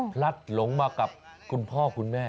พลัดหลงมากับคุณพ่อคุณแม่